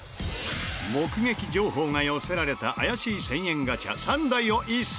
目撃情報が寄せられた怪しい１０００円ガチャ３台を一斉捜査。